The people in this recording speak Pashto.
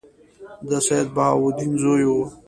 د سیدبهاءالدین زوی وو.